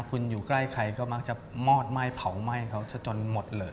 คุณอยู่ใกล้ใครก็มักจะมอดไหม้เผาไหม้เขาจะจนหมดเลย